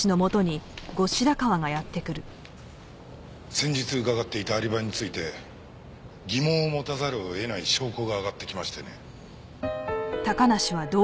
先日伺っていたアリバイについて疑問を持たざるを得ない証拠が上がってきましてね。